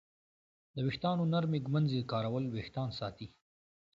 د ویښتانو نرمې ږمنځې کارول وېښتان ساتي.